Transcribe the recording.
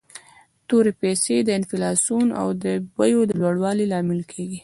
تورې پیسي د انفلاسیون او د بیو د لوړوالي لامل کیږي.